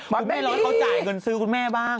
คุณแม่เล่าให้เขาจ่ายเงินซื้อคุณแม่บ้าง